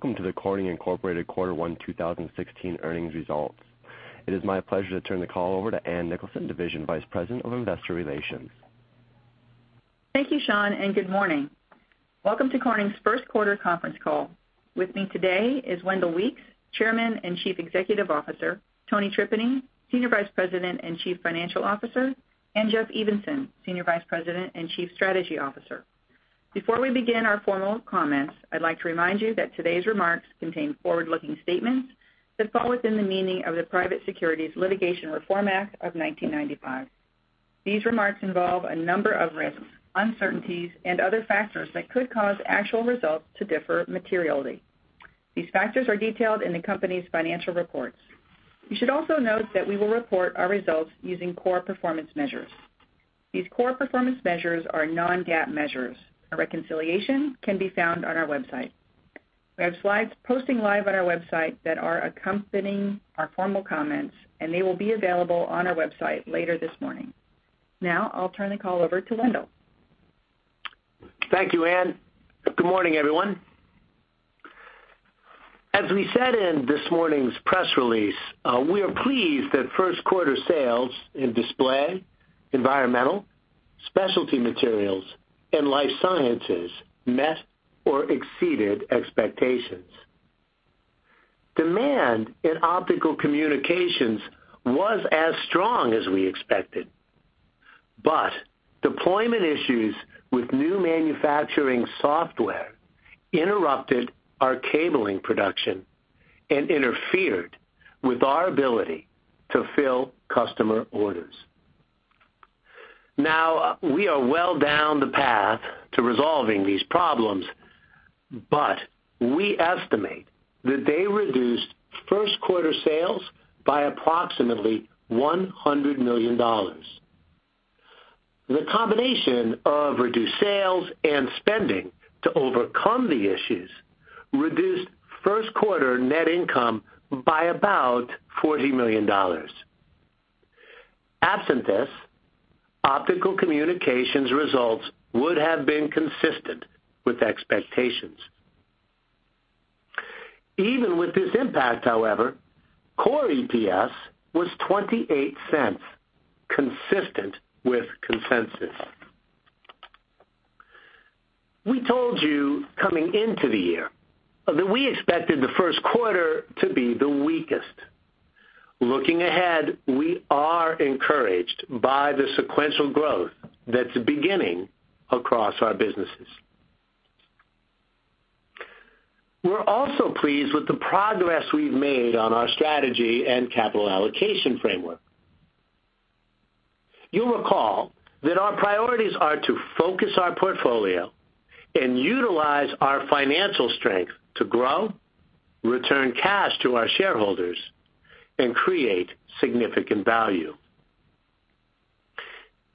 Welcome to the Corning Incorporated Quarter 1 2016 earnings results. It is my pleasure to turn the call over to Ann Nicholson, Division Vice President of Investor Relations. Thank you, Sean, and good morning. Welcome to Corning's first quarter conference call. With me today is Wendell Weeks, Chairman and Chief Executive Officer, Tony Tripeny, Senior Vice President and Chief Financial Officer, and Jeff Evenson, Senior Vice President and Chief Strategy Officer. Before we begin our formal comments, I'd like to remind you that today's remarks contain forward-looking statements that fall within the meaning of the Private Securities Litigation Reform Act of 1995. These remarks involve a number of risks, uncertainties, and other factors that could cause actual results to differ materially. These factors are detailed in the company's financial reports. You should also note that we will report our results using core performance measures. These core performance measures are non-GAAP measures. A reconciliation can be found on our website. We have slides posting live on our website that are accompanying our formal comments, and they will be available on our website later this morning. I'll turn the call over to Wendell. Thank you, Ann. Good morning, everyone. As we said in this morning's press release, we are pleased that first quarter sales in Display, Environmental, Specialty Materials, and Life Sciences met or exceeded expectations. Demand in Optical Communications was as strong as we expected, but deployment issues with new manufacturing software interrupted our cabling production and interfered with our ability to fill customer orders. We are well down the path to resolving these problems, but we estimate that they reduced first quarter sales by approximately $100 million. The combination of reduced sales and spending to overcome the issues reduced first quarter net income by about $40 million. Absent this, Optical Communications results would have been consistent with expectations. Even with this impact, however, core EPS was $0.28, consistent with consensus. We told you coming into the year that we expected the first quarter to be the weakest. Looking ahead, we are encouraged by the sequential growth that's beginning across our businesses. We're also pleased with the progress we've made on our strategy and capital allocation framework. You'll recall that our priorities are to focus our portfolio and utilize our financial strength to grow, return cash to our shareholders, and create significant value.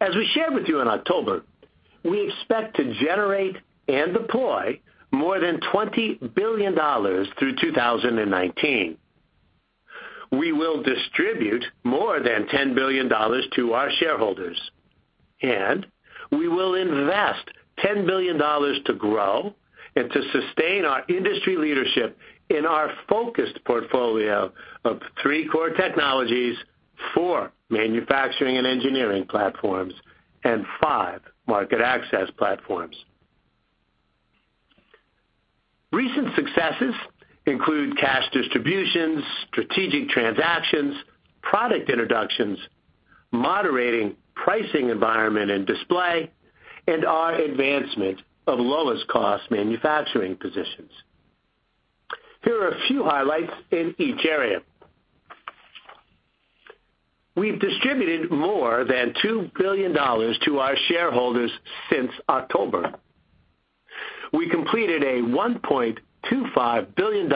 As we shared with you in October, we expect to generate and deploy more than $20 billion through 2019. We will distribute more than $10 billion to our shareholders, we will invest $10 billion to grow and to sustain our industry leadership in our focused portfolio of three core technologies, four manufacturing and engineering platforms, and five market access platforms. Recent successes include cash distributions, strategic transactions, product introductions, moderating pricing environment and Display, and our advancement of lowest-cost manufacturing positions. Here are a few highlights in each area. We've distributed more than $2 billion to our shareholders since October. We completed a $1.25 billion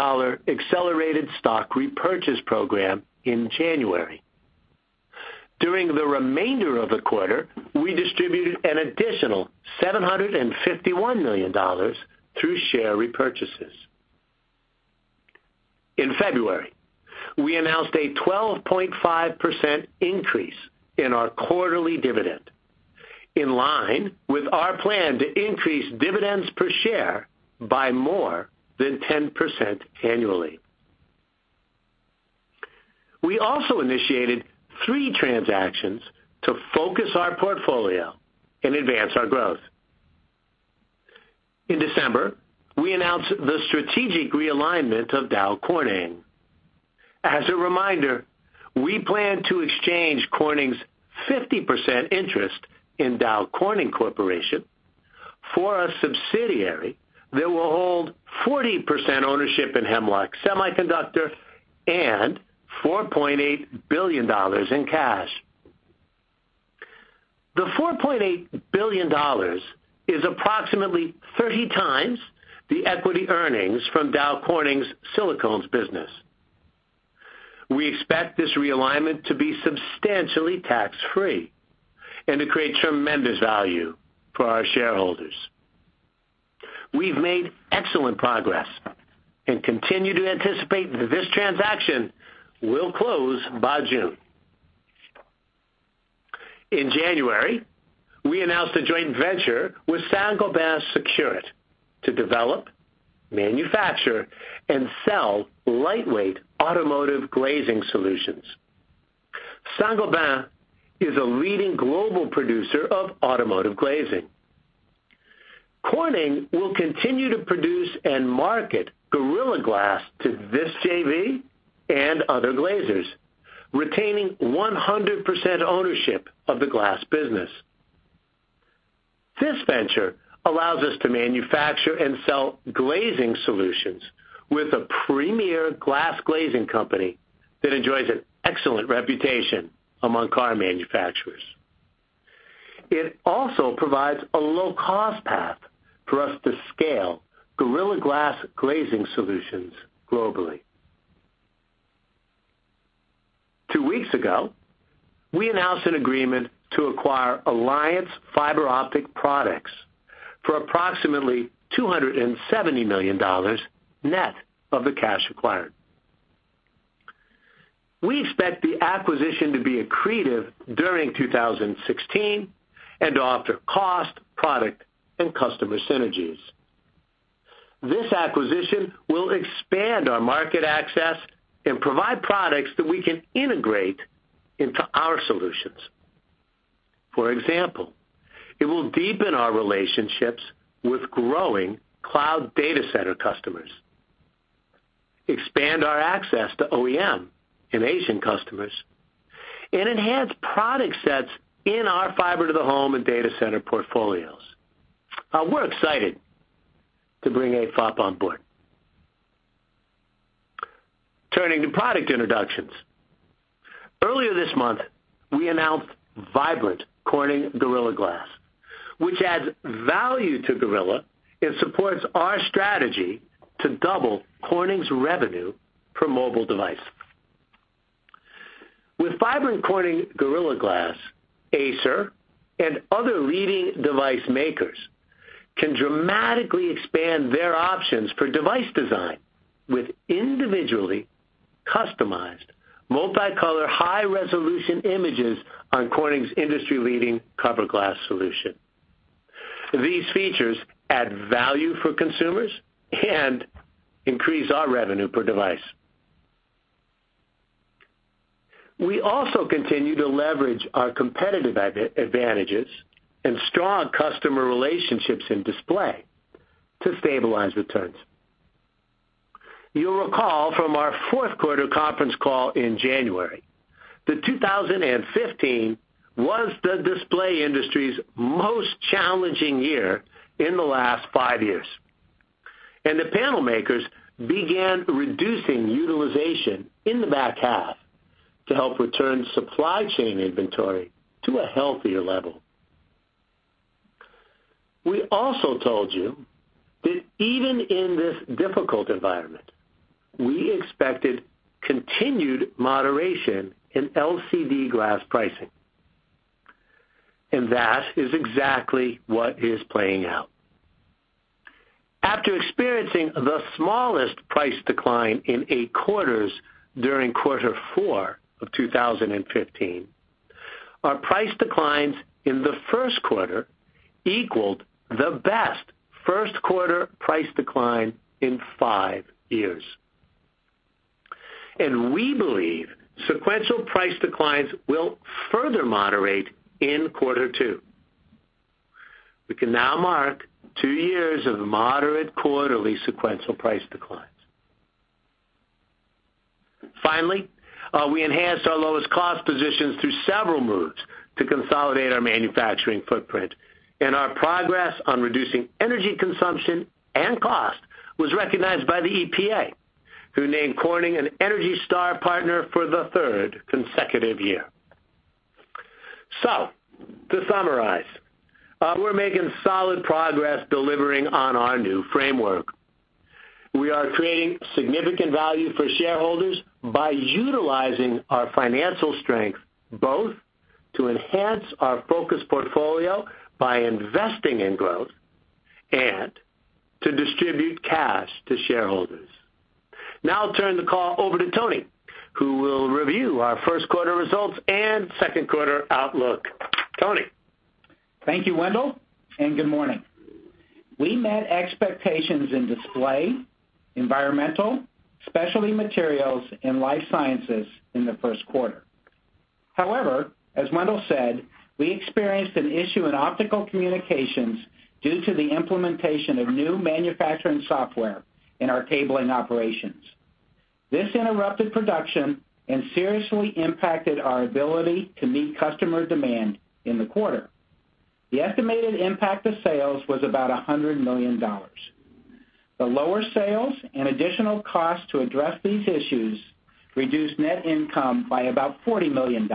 accelerated stock repurchase program in January. During the remainder of the quarter, we distributed an additional $751 million through share repurchases. In February, we announced a 12.5% increase in our quarterly dividend, in line with our plan to increase dividends per share by more than 10% annually. We also initiated three transactions to focus our portfolio and advance our growth. In December, we announced the strategic realignment of Dow Corning. As a reminder, we plan to exchange Corning's 50% interest in Dow Corning Corporation for a subsidiary that will hold 40% ownership in Hemlock Semiconductor and $4.8 billion in cash. The $4.8 billion is approximately 30 times the equity earnings from Dow Corning's silicones business. We expect this realignment to be substantially tax-free and to create tremendous value for our shareholders. We've made excellent progress and continue to anticipate that this transaction will close by June. In January, we announced a joint venture with Saint-Gobain Sekurit to develop, manufacture, and sell lightweight automotive glazing solutions. Saint-Gobain is a leading global producer of automotive glazing. Corning will continue to produce and market Gorilla Glass to this JV and other glazers, retaining 100% ownership of the glass business. This venture allows us to manufacture and sell glazing solutions with a premier glass glazing company that enjoys an excellent reputation among car manufacturers. It also provides a low-cost path for us to scale Gorilla Glass glazing solutions globally. Two weeks ago, we announced an agreement to acquire Alliance Fiber Optic Products for approximately $270 million net of the cash acquired. We expect the acquisition to be accretive during 2016 and to offer cost, product, and customer synergies. This acquisition will expand our market access and provide products that we can integrate into our solutions. For example, it will deepen our relationships with growing cloud data center customers, expand our access to OEM and Asian customers, and enhance product sets in our fiber to the home and data center portfolios. We're excited to bring AFOP on board. Turning to product introductions. Earlier this month, we announced Vibrant Corning Gorilla Glass, which adds value to Gorilla and supports our strategy to double Corning's revenue per mobile device. With Vibrant Corning Gorilla Glass, Acer and other leading device makers can dramatically expand their options for device design with individually customized multicolor high-resolution images on Corning's industry-leading cover glass solution. These features add value for consumers and increase our revenue per device. We also continue to leverage our competitive advantages and strong customer relationships in Display to stabilize returns. You'll recall from our fourth quarter conference call in January that 2015 was the display industry's most challenging year in the last 5 years, the panel makers began reducing utilization in the back half to help return supply chain inventory to a healthier level. We also told you that even in this difficult environment, we expected continued moderation in LCD glass pricing, that is exactly what is playing out. After experiencing the smallest price decline in 8 quarters during quarter four of 2015, our price declines in the first quarter equaled the best first-quarter price decline in 5 years. We believe sequential price declines will further moderate in quarter two. We can now mark 2 years of moderate quarterly sequential price declines. Finally, we enhanced our lowest cost positions through several moves to consolidate our manufacturing footprint, our progress on reducing energy consumption and cost was recognized by the EPA, who named Corning an ENERGY STAR partner for the third consecutive year. To summarize, we're making solid progress delivering on our new framework. We are creating significant value for shareholders by utilizing our financial strength both to enhance our focus portfolio by investing in growth and to distribute cash to shareholders. Now I'll turn the call over to Tony, who will review our first quarter results and second quarter outlook. Tony? Thank you, Wendell, good morning. We met expectations in Display, Environmental, Specialty Materials, and Life Sciences in the first quarter. However, as Wendell said, we experienced an issue in Optical Communications due to the implementation of new manufacturing software in our cabling operations. This interrupted production and seriously impacted our ability to meet customer demand in the quarter. The estimated impact to sales was about $100 million. The lower sales and additional costs to address these issues reduced net income by about $40 million.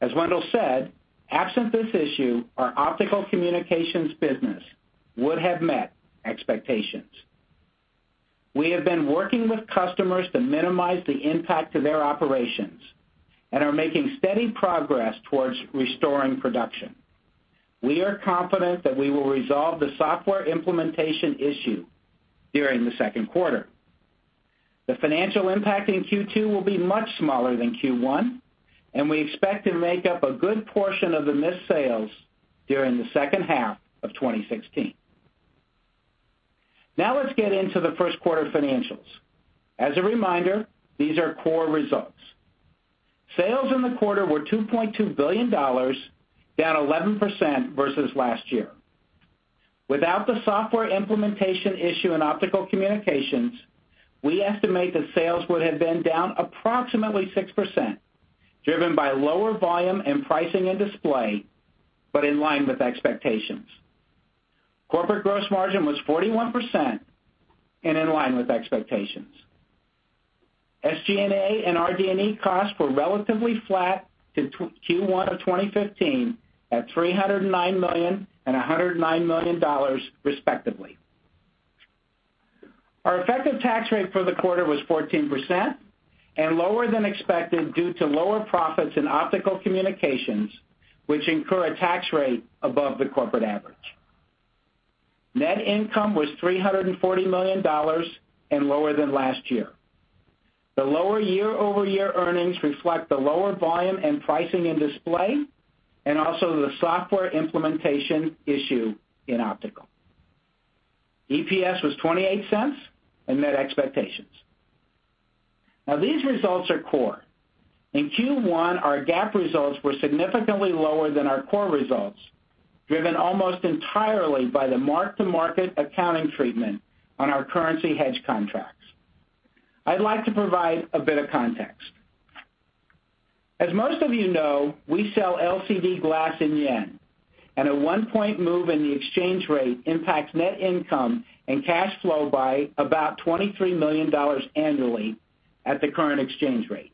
As Wendell said, absent this issue, our Optical Communications business would have met expectations. We have been working with customers to minimize the impact to their operations and are making steady progress towards restoring production. We are confident that we will resolve the software implementation issue during the second quarter. The financial impact in Q2 will be much smaller than Q1, we expect to make up a good portion of the missed sales during the second half of 2016. Now let's get into the first quarter financials. As a reminder, these are core results. Sales in the quarter were $2.2 billion, down 11% versus last year. Without the software implementation issue in Optical Communications, we estimate that sales would have been down approximately 6%, driven by lower volume and pricing in Display, but in line with expectations. Corporate gross margin was 41% in line with expectations. SG&A and RD&E costs were relatively flat to Q1 of 2015 at $309 million and $109 million, respectively. Our effective tax rate for the quarter was 14% lower than expected due to lower profits in Optical Communications, which incur a tax rate above the corporate average. Net income was $340 million and lower than last year. The lower year-over-year earnings reflect the lower volume and pricing in Display, and also the software implementation issue in Optical. EPS was $0.28 and met expectations. These results are core. In Q1, our GAAP results were significantly lower than our core results, driven almost entirely by the mark-to-market accounting treatment on our currency hedge contracts. I'd like to provide a bit of context. As most of you know, we sell LCD glass in yen, and a 1-point move in the exchange rate impacts net income and cash flow by about $23 million annually at the current exchange rate.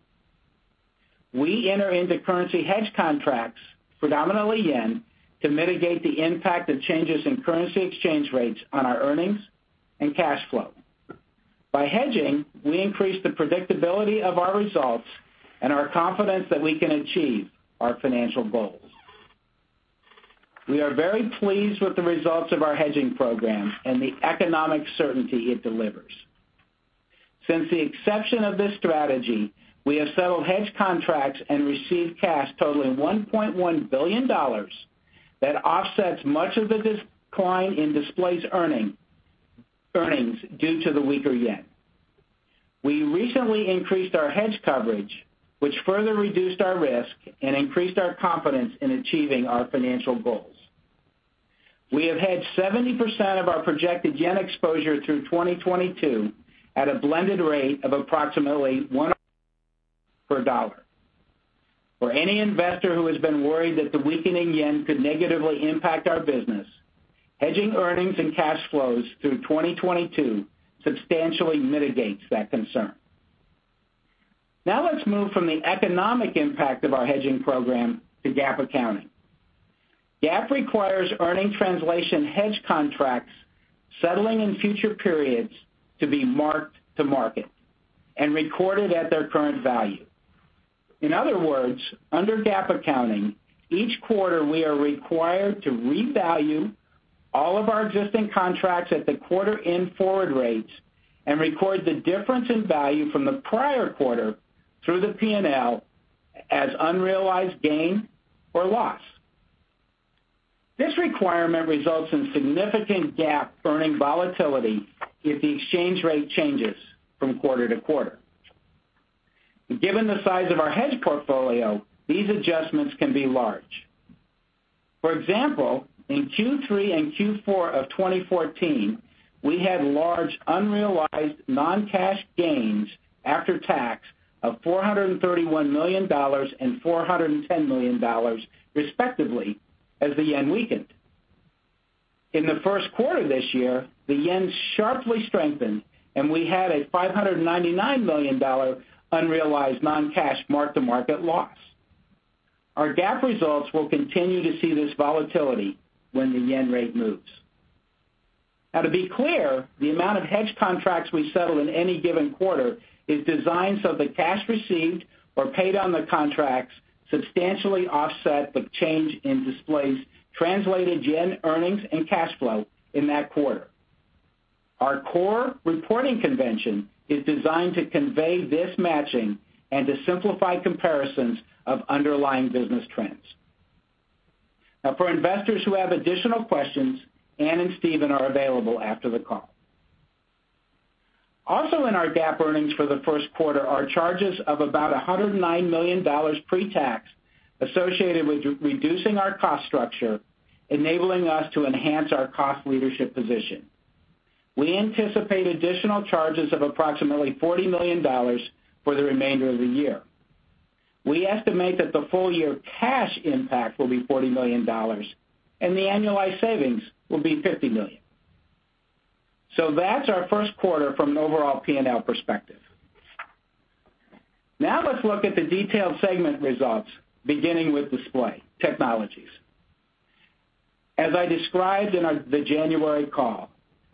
We enter into currency hedge contracts, predominantly JPY, to mitigate the impact of changes in currency exchange rates on our earnings and cash flow. By hedging, we increase the predictability of our results and our confidence that we can achieve our financial goals. We are very pleased with the results of our hedging program and the economic certainty it delivers. Since the inception of this strategy, we have settled hedge contracts and received cash totaling $1.1 billion that offsets much of the decline in Display's earnings due to the weaker JPY. We recently increased our hedge coverage, which further reduced our risk and increased our confidence in achieving our financial goals. We have hedged 70% of our projected JPY exposure through 2022 at a blended rate of approximately 1 per dollar. For any investor who has been worried that the weakening JPY could negatively impact our business, hedging earnings and cash flows through 2022 substantially mitigates that concern. Let's move from the economic impact of our hedging program to GAAP accounting. GAAP requires earnings translation hedge contracts settling in future periods to be marked to market and recorded at their current value. In other words, under GAAP accounting, each quarter we are required to revalue all of our existing contracts at the quarter-end forward rates and record the difference in value from the prior quarter through the P&L as unrealized gain or loss. This requirement results in significant GAAP earning volatility if the exchange rate changes from quarter to quarter. Given the size of our hedge portfolio, these adjustments can be large. For example, in Q3 and Q4 of 2014, we had large unrealized non-cash gains after tax of $431 million and $410 million, respectively, as the JPY weakened. In the first quarter this year, the JPY sharply strengthened, and we had a $599 million unrealized non-cash mark-to-market loss. Our GAAP results will continue to see this volatility when the JPY rate moves. To be clear, the amount of hedge contracts we settle in any given quarter is designed so the cash received or paid on the contracts substantially offset the change in Display's translated JPY earnings and cash flow in that quarter. Our core reporting convention is designed to convey this matching and to simplify comparisons of underlying business trends. For investors who have additional questions, Ann and Steven are available after the call. Also in our GAAP earnings for the first quarter are charges of about $109 million pre-tax associated with reducing our cost structure, enabling us to enhance our cost leadership position. We anticipate additional charges of approximately $40 million for the remainder of the year. We estimate that the full-year cash impact will be $40 million, and the annualized savings will be $50 million. That's our first quarter from an overall P&L perspective. Let's look at the detailed segment results, beginning with Display Technologies. As I described in the January call,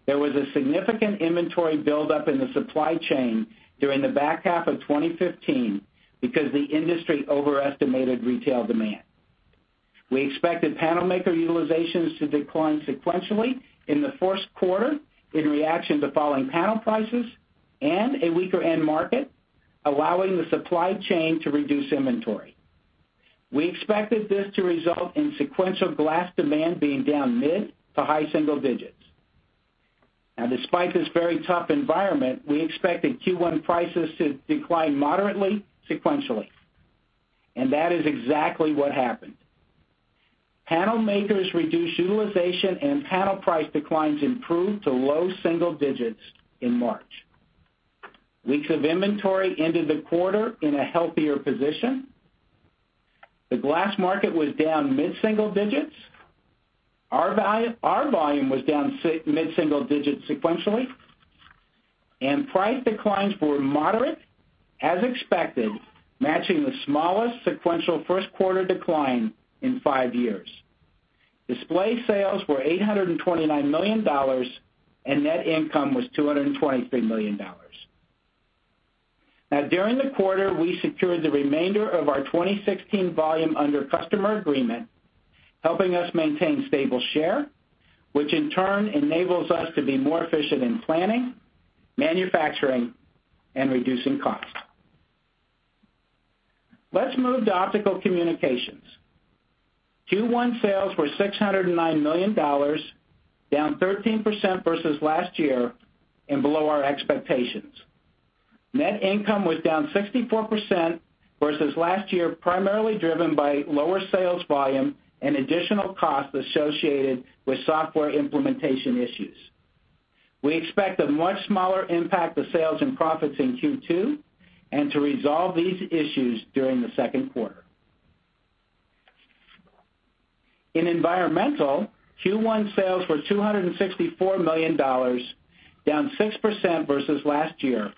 there was a significant inventory buildup in the supply chain during the back half of 2015 because the industry overestimated retail demand. We expected panel maker utilizations to decline sequentially in the first quarter in reaction to falling panel prices and a weaker end market, allowing the supply chain to reduce inventory. We expected this to result in sequential glass demand being down mid to high single digits. Despite this very tough environment, we expected Q1 prices to decline moderately sequentially. That is exactly what happened. Panel makers reduced utilization and panel price declines improved to low single digits in March. Weeks of inventory ended the quarter in a healthier position. The glass market was down mid-single digits. Our volume was down mid-single digits sequentially, and price declines were moderate as expected, matching the smallest sequential first quarter decline in five years. Display sales were $829 million, and net income was $223 million. During the quarter, we secured the remainder of our 2016 volume under customer agreement, helping us maintain stable share, which in turn enables us to be more efficient in planning, manufacturing, and reducing cost. Let's move to Optical Communications. Q1 sales were $609 million, down 13% versus last year, and below our expectations. Net income was down 64% versus last year, primarily driven by lower sales volume and additional costs associated with software implementation issues. We expect a much smaller impact to sales and profits in Q2, and to resolve these issues during the second quarter. In Environmental, Q1 sales were $264 million, down 6% versus last year,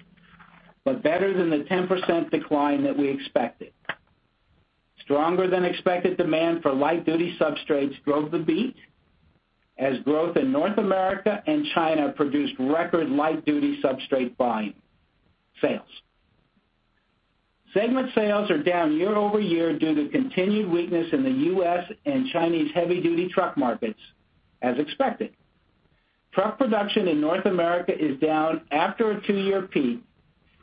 but better than the 10% decline that we expected. Stronger than expected demand for light-duty substrates drove the beat, as growth in North America and China produced record light-duty substrate buying sales. Segment sales are down year-over-year due to continued weakness in the U.S. and Chinese heavy-duty truck markets, as expected. Truck production in North America is down after a two-year peak,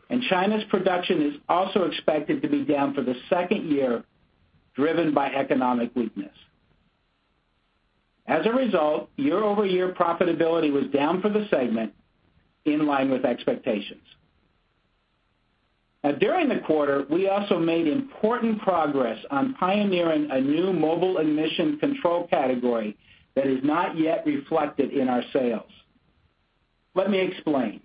and China's production is also expected to be down for the second year, driven by economic weakness. As a result, year-over-year profitability was down for the segment, in line with expectations. During the quarter, we also made important progress on pioneering a new mobile emission control category that is not yet reflected in our sales. Let me explain.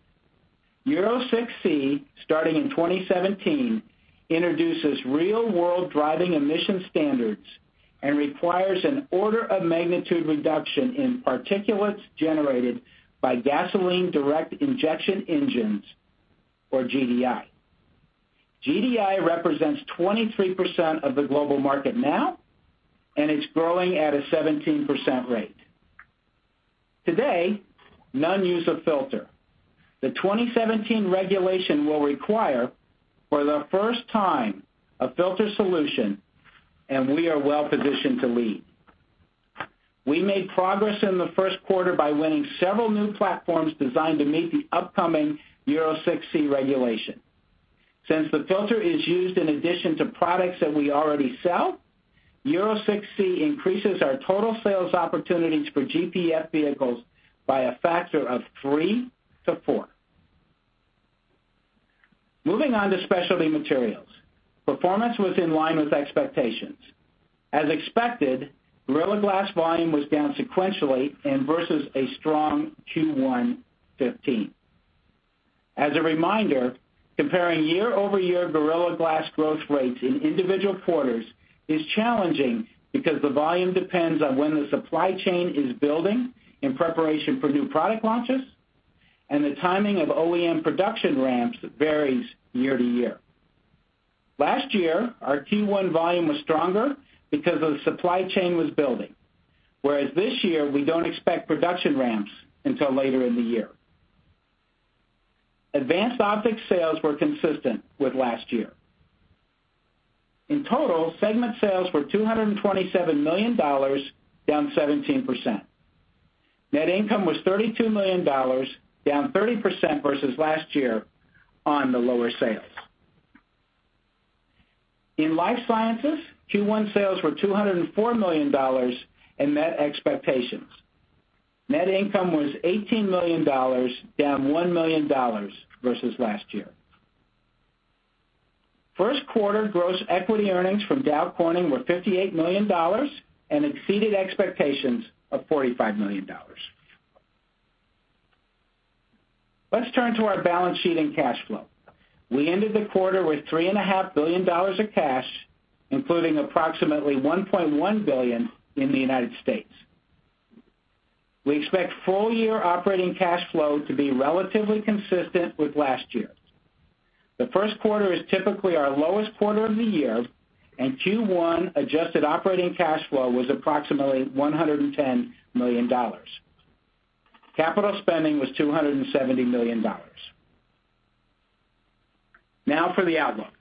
Euro 6c, starting in 2017, introduces real-world driving emission standards and requires an order of magnitude reduction in particulates generated by gasoline direct injection engines, or GDI. GDI represents 23% of the global market now, and it's growing at a 17% rate. Today, none use a filter. The 2017 regulation will require, for the first time, a filter solution, and we are well positioned to lead. We made progress in the first quarter by winning several new platforms designed to meet the upcoming Euro 6c regulation. Since the filter is used in addition to products that we already sell, Euro 6c increases our total sales opportunities for GPF vehicles by a factor of three to four. Moving on to Specialty Materials. Performance was in line with expectations. As expected, Gorilla Glass volume was down sequentially and versus a strong Q1 2015. As a reminder, comparing year-over-year Gorilla Glass growth rates in individual quarters is challenging because the volume depends on when the supply chain is building in preparation for new product launches, and the timing of OEM production ramps varies year to year. Last year, our Q1 volume was stronger because the supply chain was building, whereas this year, we don't expect production ramps until later in the year. Advanced Optics sales were consistent with last year. In total, segment sales were $227 million, down 17%. Net income was $32 million, down 30% versus last year on the lower sales. In Life Sciences, Q1 sales were $204 million, and met expectations. Net income was $18 million, down $1 million versus last year. First quarter gross equity earnings from Dow Corning were $58 million, and exceeded expectations of $45 million. Let's turn to our balance sheet and cash flow. We ended the quarter with $3.5 billion of cash, including approximately $1.1 billion in the United States. We expect full-year operating cash flow to be relatively consistent with last year. The first quarter is typically our lowest quarter of the year, and Q1 adjusted operating cash flow was approximately $110 million. Capital spending was $270 million. For the outlook.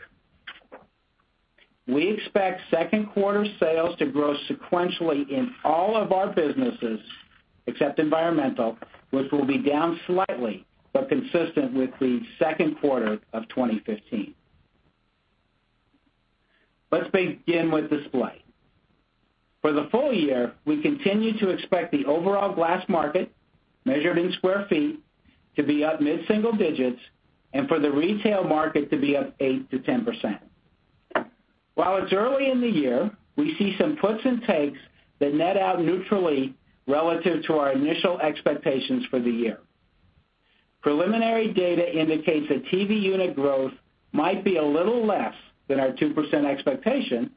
We expect second quarter sales to grow sequentially in all of our businesses, except Environmental, which will be down slightly, but consistent with the second quarter of 2015. Let's begin with Display. For the full year, we continue to expect the overall glass market, measured in square feet, to be up mid-single digits, and for the retail market to be up 8%-10%. While it's early in the year, we see some puts and takes that net out neutrally relative to our initial expectations for the year. Preliminary data indicates that TV unit growth might be a little less than our 2% expectation,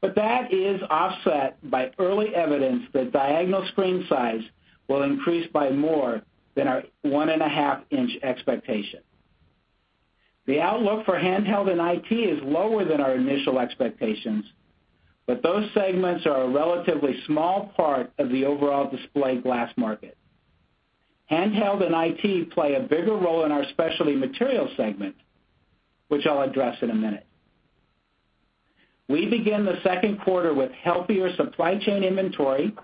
but that is offset by early evidence that diagonal screen size will increase by more than our one and a half inch expectation. The outlook for handheld and IT is lower than our initial expectations, but those segments are a relatively small part of the overall Display glass market. Handheld and IT play a bigger role in our Specialty Materials segment, which I'll address in a minute. We begin the second quarter with healthier supply chain inventory,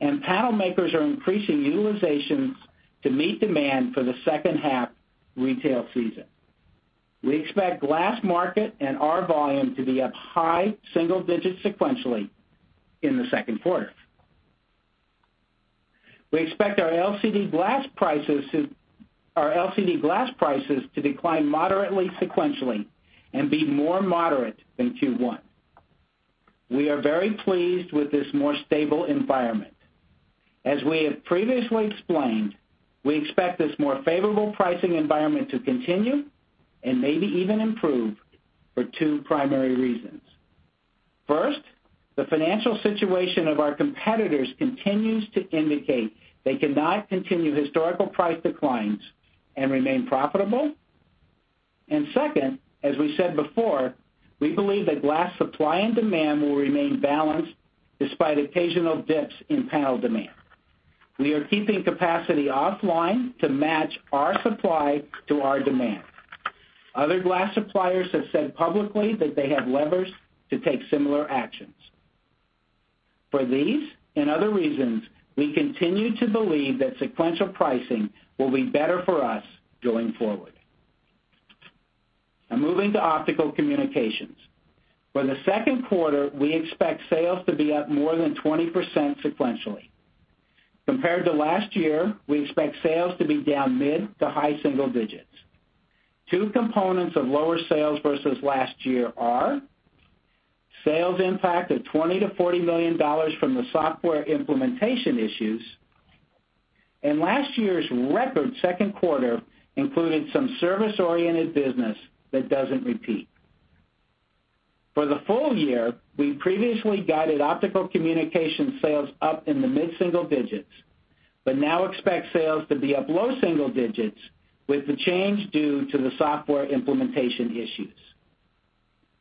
and panel makers are increasing utilizations to meet demand for the second-half retail season. We expect glass market and our volume to be up high-single digits sequentially in the second quarter. We expect our LCD glass prices to decline moderately sequentially and be more moderate than Q1. We are very pleased with this more stable environment. As we have previously explained, we expect this more favorable pricing environment to continue and maybe even improve for two primary reasons. First, the financial situation of our competitors continues to indicate they cannot continue historical price declines and remain profitable. Second, as we said before, we believe that glass supply and demand will remain balanced despite occasional dips in panel demand. We are keeping capacity offline to match our supply to our demand. Other glass suppliers have said publicly that they have levers to take similar actions. For these and other reasons, we continue to believe that sequential pricing will be better for us going forward. Moving to Optical Communications. For the second quarter, we expect sales to be up more than 20% sequentially. Compared to last year, we expect sales to be down mid to high single digits. Two components of lower sales versus last year are sales impact of $20 million to $40 million from the software implementation issues, and last year's record second quarter included some service-oriented business that doesn't repeat. For the full year, we previously guided Optical Communications sales up in the mid-single digits, but now expect sales to be up low single digits with the change due to the software implementation issues.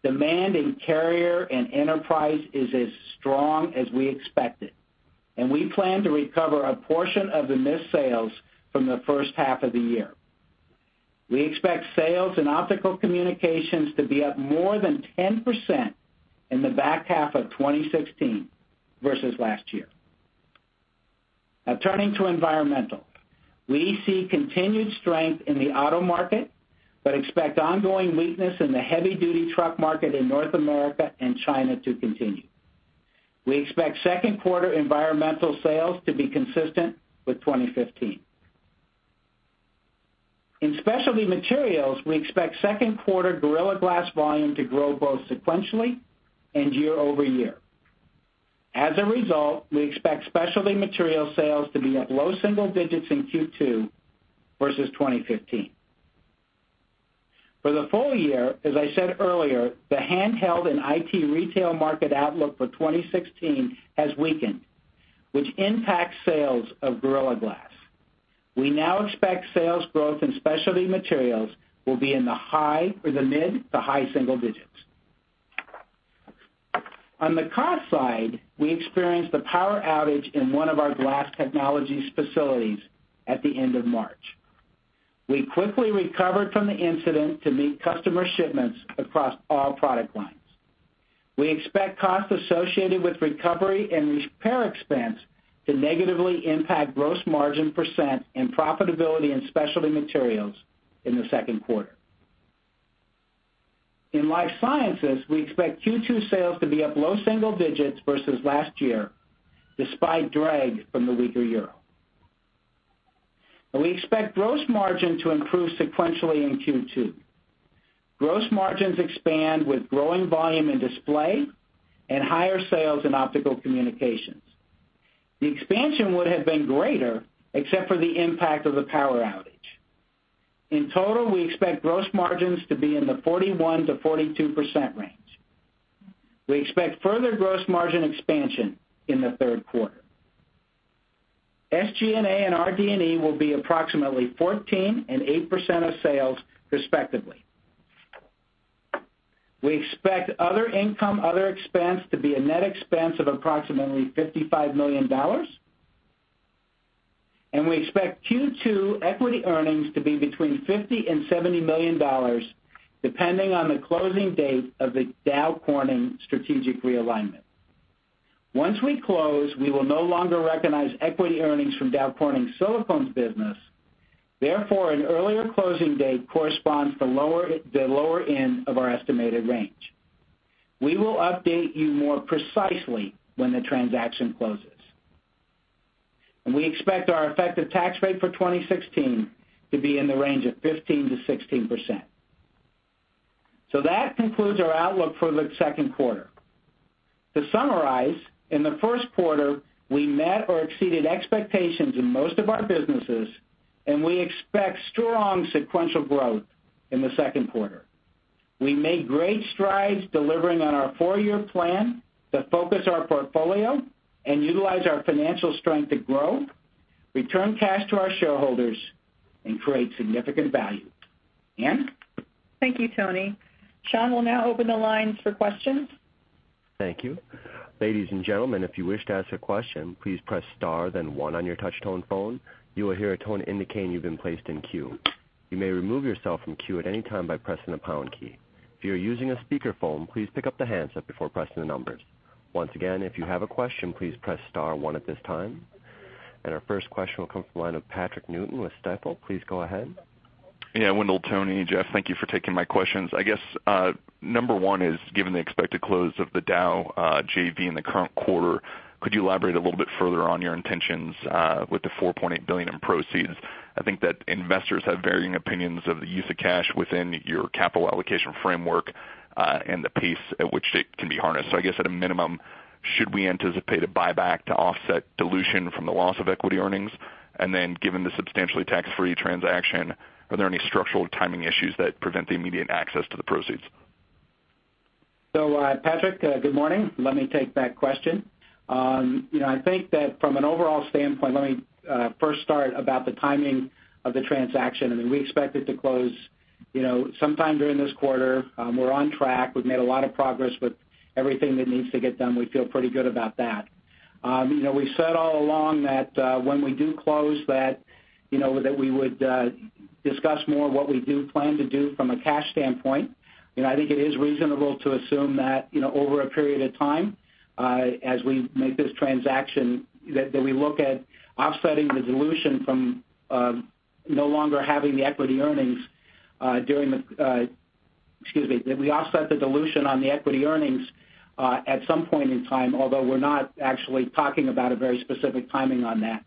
Demand in carrier and enterprise is as strong as we expected, and we plan to recover a portion of the missed sales from the first half of the year. We expect sales in Optical Communications to be up more than 10% in the back half of 2016 versus last year. Turning to Environmental. We see continued strength in the auto market, but expect ongoing weakness in the heavy duty truck market in North America and China to continue. We expect second quarter environmental sales to be consistent with 2015. In Specialty Materials, we expect second quarter Gorilla Glass volume to grow both sequentially and year-over-year. As a result, we expect Specialty Materials sales to be up low single digits in Q2 versus 2015. For the full year, as I said earlier, the handheld and IT retail market outlook for 2016 has weakened, which impacts sales of Gorilla Glass. We now expect sales growth in Specialty Materials will be in the mid to high single digits. On the cost side, we experienced a power outage in one of our glass technologies facilities at the end of March. We quickly recovered from the incident to meet customer shipments across all product lines. We expect costs associated with recovery and repair expense to negatively impact gross margin percent and profitability in Specialty Materials in the second quarter. In Life Sciences, we expect Q2 sales to be up low single digits versus last year, despite drag from the weaker EUR. We expect gross margin to improve sequentially in Q2. Gross margins expand with growing volume in Display Technologies and higher sales in Optical Communications. The expansion would have been greater except for the impact of the power outage. In total, we expect gross margins to be in the 41%-42% range. We expect further gross margin expansion in the third quarter. SG&A and RD&E will be approximately 14% and 8% of sales respectively. We expect other income, other expense to be a net expense of approximately $55 million. We expect Q2 equity earnings to be between $50 million and $70 million, depending on the closing date of the Dow Corning strategic realignment. Once we close, we will no longer recognize equity earnings from Dow Corning's Silicones business. Therefore, an earlier closing date corresponds to the lower end of our estimated range. We will update you more precisely when the transaction closes. We expect our effective tax rate for 2016 to be in the range of 15%-16%. That concludes our outlook for the second quarter. To summarize, in the first quarter, we met or exceeded expectations in most of our businesses, and we expect strong sequential growth in the second quarter. We made great strides delivering on our four-year plan to focus our portfolio and utilize our financial strength to grow, return cash to our shareholders, and create significant value. Ann? Thank you, Tony. Sean will now open the lines for questions. Thank you. Ladies and gentlemen, if you wish to ask a question, please press star then one on your touch-tone phone. You will hear a tone indicating you've been placed in queue. You may remove yourself from queue at any time by pressing the pound key. If you are using a speakerphone, please pick up the handset before pressing the numbers. Once again, if you have a question, please press star one at this time. Our first question will come from the line of Patrick Newton with Stifel. Please go ahead. Yeah, Wendell, Tony, Jeff, thank you for taking my questions. I guess, number one is, given the expected close of the Dow JV in the current quarter, could you elaborate a little bit further on your intentions with the $4.8 billion in proceeds? I think that investors have varying opinions of the use of cash within your capital allocation framework, and the pace at which it can be harnessed. I guess at a minimum, should we anticipate a buyback to offset dilution from the loss of equity earnings? Then given the substantially tax-free transaction, are there any structural timing issues that prevent the immediate access to the proceeds? Patrick, good morning. Let me take that question. From an overall standpoint, let me first start about the timing of the transaction. We expect it to close sometime during this quarter. We're on track. We've made a lot of progress with everything that needs to get done. We feel pretty good about that. We said all along that when we do close that we would discuss more what we do plan to do from a cash standpoint. I think it is reasonable to assume that over a period of time, as we make this transaction, that we look at offsetting the dilution from no longer having the equity earnings that we offset the dilution on the equity earnings at some point in time, although we're not actually talking about a very specific timing on that.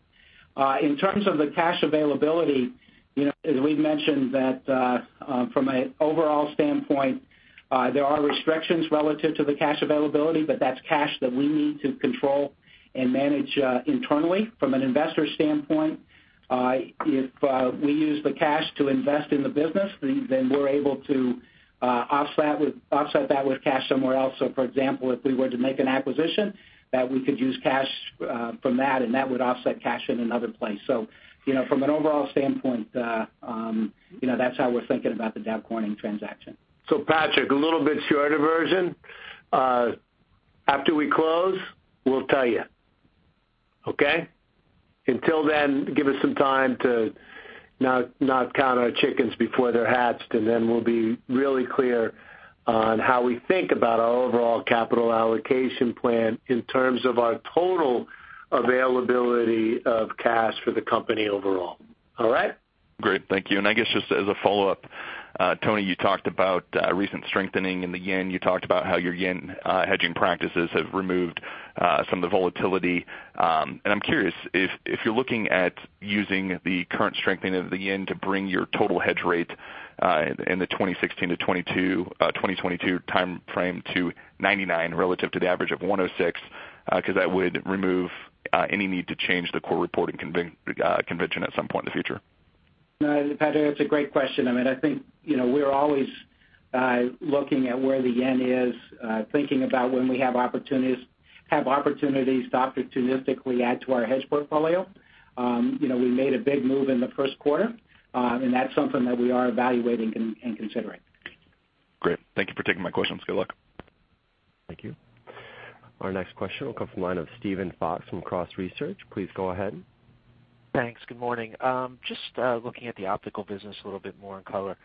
In terms of the cash availability, as we've mentioned, from an overall standpoint, there are restrictions relative to the cash availability, that's cash that we need to control and manage internally. From an investor standpoint, if we use the cash to invest in the business, we're able to offset that with cash somewhere else. For example, if we were to make an acquisition, that we could use cash from that would offset cash in another place. From an overall standpoint, that's how we're thinking about the Dow Corning transaction. Patrick, a little bit shorter version. After we close, we'll tell you. Okay? Until then, give us some time to not count our chickens before they're hatched, we'll be really clear on how we think about our overall capital allocation plan in terms of our total availability of cash for the company overall. All right? Great, thank you. I guess just as a follow-up, Tony, you talked about recent strengthening in the JPY, you talked about how your JPY hedging practices have removed some of the volatility. I'm curious if you're looking at using the current strengthening of the JPY to bring your total hedge rate in the 2016-2022 timeframe to 99 relative to the average of 106, because that would remove any need to change the core reporting convention at some point in the future. Patrick, that's a great question. I mean, I think we're always looking at where the yen is, thinking about when we have opportunities to opportunistically add to our hedge portfolio. We made a big move in the first quarter, and that's something that we are evaluating and considering. Great. Thank you for taking my questions. Good luck. Thank you. Our next question will come from the line of Steven Fox from Cross Research. Please go ahead. Thanks. Good morning. Just looking at the optical business a little bit more in color.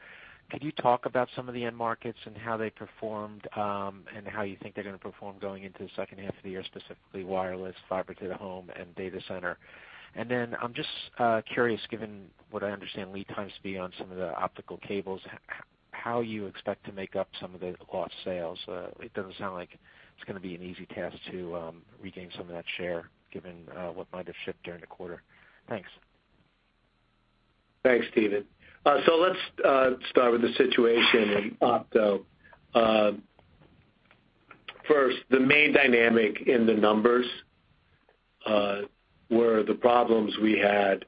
Could you talk about some of the end markets and how they performed, and how you think they're gonna perform going into the second half of the year, specifically wireless, fiber to the home, and data center? I'm just curious, given what I understand lead times to be on some of the optical cables, how you expect to make up some of the lost sales. It doesn't sound like it's gonna be an easy task to regain some of that share given what might have shipped during the quarter. Thanks. Thanks, Steven. Let's start with the situation in Opto. First, the main dynamic in the numbers were the problems we had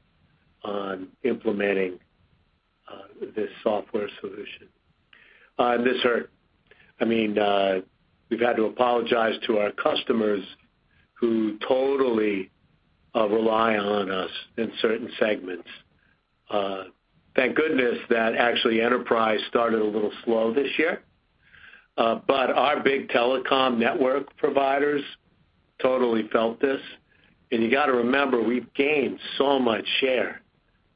on implementing this software solution. This hurt. I mean, we've had to apologize to our customers who totally rely on us in certain segments. Thank goodness that actually Enterprise started a little slow this year. Our big telecom network providers totally felt this. You got to remember, we've gained so much share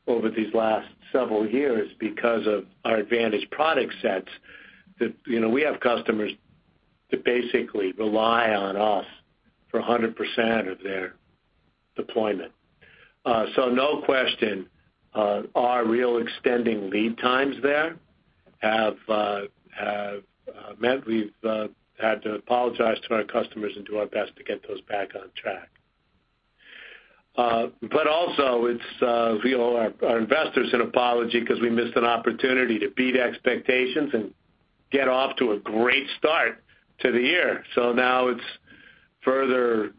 over these last several years because of our advantage product sets, that we have customers that basically rely on us for 100% of their deployment. No question, our real extending lead times there have meant we've had to apologize to our customers and do our best to get those back on track. Also, it's real, our investors an apology because we missed an opportunity to beat expectations and get off to a great start to the year. Now it's further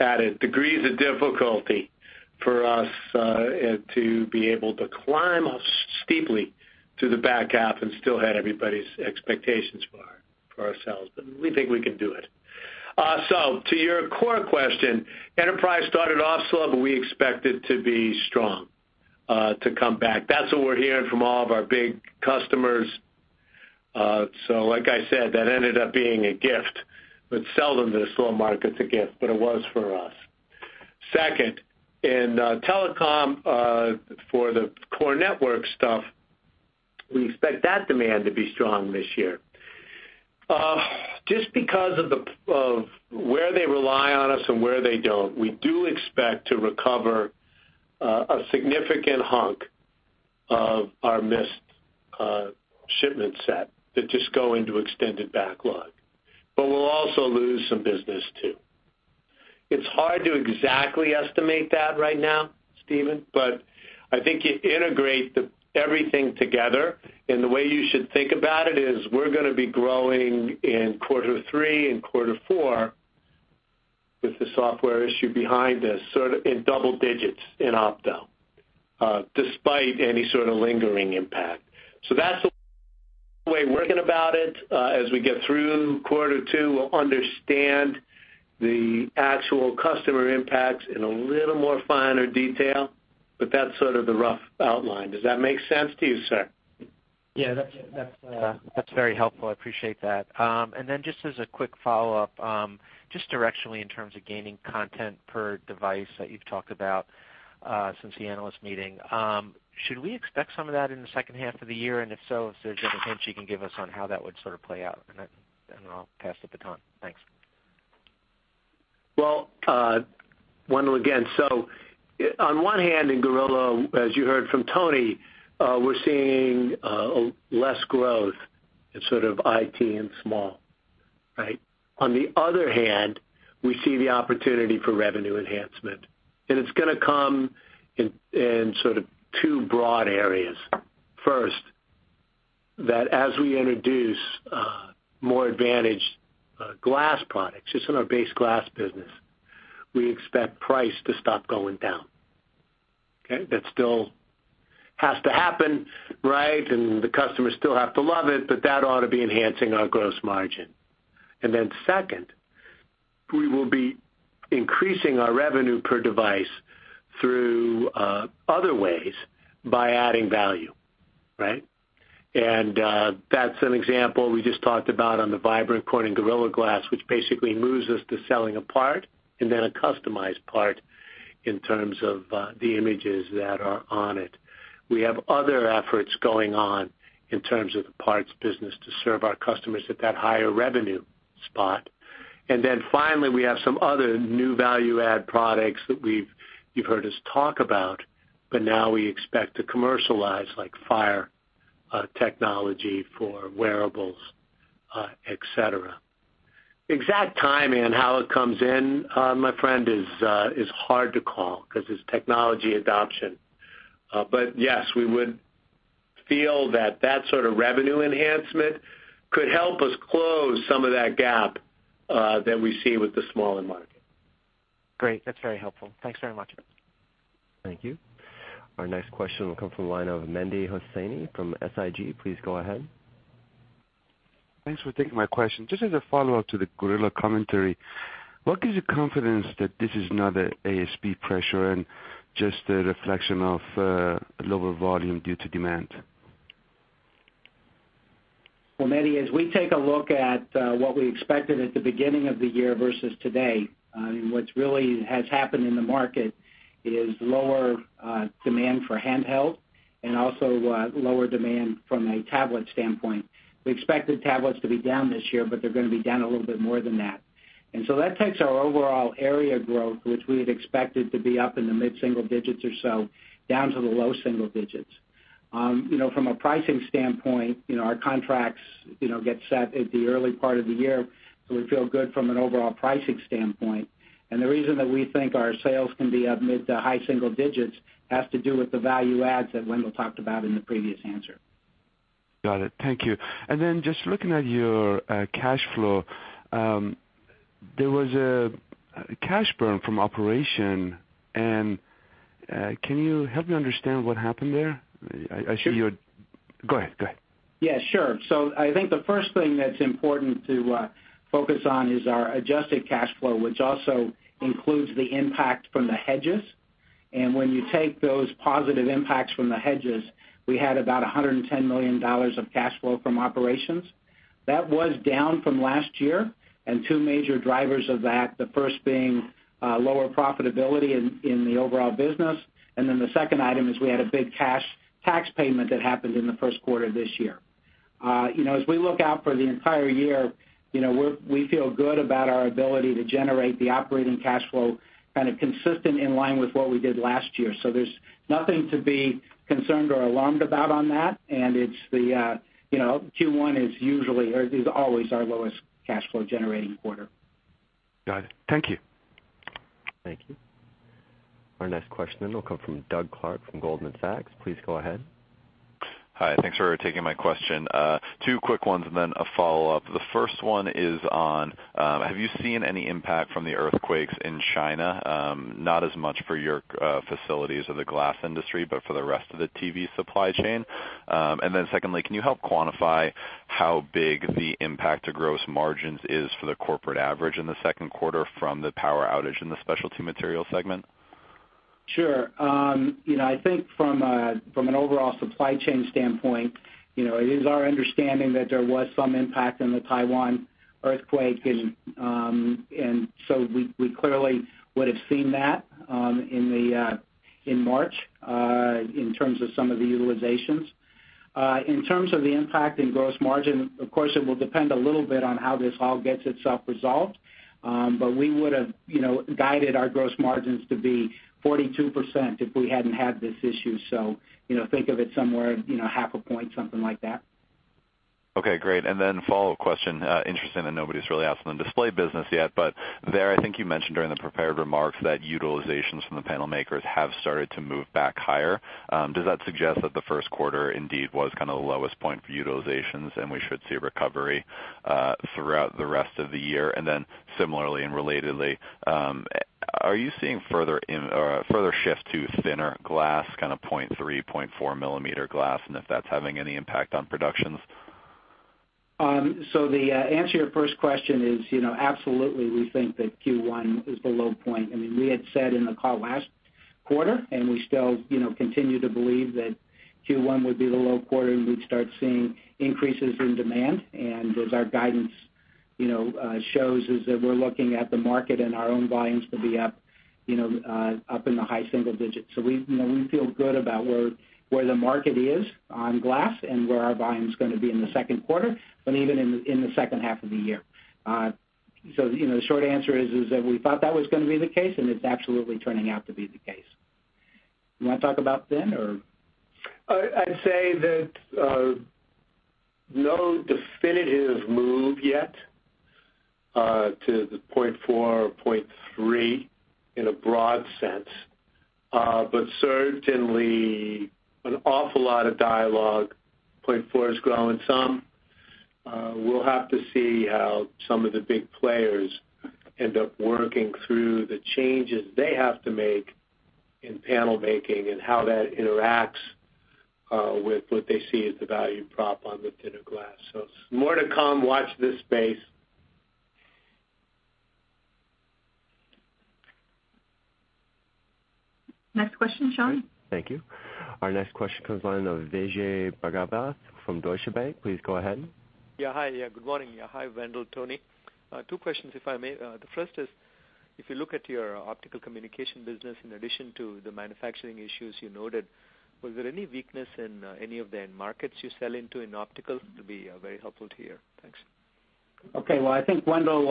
added degrees of difficulty for us, and to be able to climb steeply to the back half and still hit everybody's expectations for ourselves. We think we can do it. To your core question, enterprise started off slow, but we expect it to be strong, to come back. That's what we're hearing from all of our big customers. Like I said, that ended up being a gift, but seldom does slow market's a gift, but it was for us. Second, in telecom, for the core network stuff, we expect that demand to be strong this year. Just because of where they rely on us and where they don't, we do expect to recover a significant hunk of our missed shipment set that just go into extended backlog. We'll also lose some business, too. It's hard to exactly estimate that right now, Steven, but I think you integrate everything together, and the way you should think about it is we're going to be growing in quarter three and quarter four with the software issue behind us sort of in double digits in opto, despite any sort of lingering impact. That's the way we're thinking about it. As we get through quarter two, we'll understand the actual customer impacts in a little more finer detail, but that's sort of the rough outline. Does that make sense to you, sir? Yes, that's very helpful. I appreciate that. Just as a quick follow-up, just directionally in terms of gaining content per device that you've talked about since the analyst meeting, should we expect some of that in the second half of the year? If so, if there's any hints you can give us on how that would sort of play out. I'll pass the baton. Thanks. Well, Wendell again. On one hand, in Gorilla, as you heard from Tony, we're seeing less growth in sort of IT and small, right? On the other hand, we see the opportunity for revenue enhancement, it's going to come in sort of two broad areas. First, that as we introduce more advantage glass products, just in our base glass business, we expect price to stop going down. Okay? That still has to happen, right? The customers still have to love it, but that ought to be enhancing our gross margin. Second, we will be increasing our revenue per device through other ways by adding value, right? That's an example we just talked about on the Vibrant Corning Gorilla Glass, which basically moves us to selling a part and then a customized part in terms of the images that are on it. We have other efforts going on in terms of the parts business to serve our customers at that higher revenue spot. Finally, we have some other new value add products that you've heard us talk about, but now we expect to commercialize like Project Phire technology for wearables, et cetera. Exact timing and how it comes in, my friend, is hard to call because it's technology adoption. Yes, we would feel that sort of revenue enhancement could help us close some of that gap that we see with the smaller market. Great. That's very helpful. Thanks very much. Thank you. Our next question will come from the line of Mehdi Hosseini from SIG. Please go ahead. Thanks for taking my question. Just as a follow-up to the Gorilla commentary, what gives you confidence that this is not an ASP pressure and just a reflection of lower volume due to demand? Well, Mehdi, as we take a look at what we expected at the beginning of the year versus today, I mean, what's really has happened in the market is lower demand for handheld and also lower demand from a tablet standpoint. We expected tablets to be down this year, but they're going to be down a little bit more than that. So that takes our overall area growth, which we had expected to be up in the mid-single digits or so, down to the low single digits. From a pricing standpoint, our contracts get set at the early part of the year, so we feel good from an overall pricing standpoint. The reason that we think our sales can be up mid to high single digits has to do with the value adds that Wendell talked about in the previous answer. Got it. Thank you. Just looking at your cash flow. There was a cash burn from operation, can you help me understand what happened there? Sure. Go ahead. Yeah, sure. I think the first thing that's important to focus on is our adjusted cash flow, which also includes the impact from the hedges. When you take those positive impacts from the hedges, we had about $110 million of cash flow from operations. That was down from last year, and two major drivers of that, the first being lower profitability in the overall business, and the second item is we had a big cash tax payment that happened in the first quarter of this year. As we look out for the entire year, we feel good about our ability to generate the operating cash flow consistent in line with what we did last year. There's nothing to be concerned or alarmed about on that. Q1 is always our lowest cash flow generating quarter. Got it. Thank you. Thank you. Our next question will come from Doug Clark from Goldman Sachs. Please go ahead. Hi. Thanks for taking my question. Two quick ones and then a follow-up. The first one, have you seen any impact from the earthquakes in China? Not as much for your facilities or the glass industry, but for the rest of the TV supply chain. Secondly, can you help quantify how big the impact to gross margins is for the corporate average in the second quarter from the power outage in the Specialty Materials segment? Sure. I think from an overall supply chain standpoint, it is our understanding that there was some impact in the Taiwan earthquake, and we clearly would have seen that in March, in terms of some of the utilizations. In terms of the impact in gross margin, of course, it will depend a little bit on how this all gets itself resolved. We would have guided our gross margins to be 42% if we hadn't had this issue. Think of it somewhere, half a point, something like that. Okay, great. A follow-up question. Interesting that nobody's really asked on the display business yet, I think you mentioned during the prepared remarks that utilizations from the panel makers have started to move back higher. Does that suggest that the first quarter indeed was the lowest point for utilizations, and we should see a recovery throughout the rest of the year? Similarly, and relatedly, are you seeing further shifts to thinner glass, kind of 0.3, 0.4 millimeter glass, and if that's having any impact on productions? The answer to your first question is, absolutely, we think that Q1 is the low point. We had said in the call last quarter, we still continue to believe that Q1 would be the low quarter, and we'd start seeing increases in demand. As our guidance shows, is that we're looking at the market and our own volumes to be up in the high single digits. We feel good about where the market is on glass and where our volume's going to be in the second quarter, but even in the second half of the year. The short answer is that we thought that was going to be the case, and it's absolutely turning out to be the case. You want to talk about thin or? I'd say that no definitive move yet to the 0.4 or 0.3 in a broad sense. Certainly, an awful lot of dialogue. 0.4 has grown some. We'll have to see how some of the big players end up working through the changes they have to make in panel making and how that interacts with what they see as the value prop on the thinner glass. More to come, watch this space. Next question, Sean. Thank you. Our next question comes on the line of Vijay Bhagavath from Deutsche Bank. Please go ahead. Hi. Good morning. Hi, Wendell, Tony. Two questions, if I may. The first is, if you look at your Optical Communications business, in addition to the manufacturing issues you noted, was there any weakness in any of the end markets you sell into in optical? It'd be very helpful to hear. Thanks. Well, I think Wendell